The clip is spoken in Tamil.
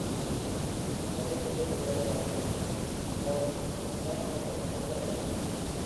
சர்ச்சைக்குரிய போலி கள கோல் ஒரு இடைமறிப்புடன் முடிவடைந்தது.